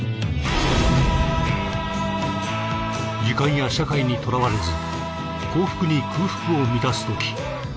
時間や社会にとらわれず幸福に空腹を満たすとき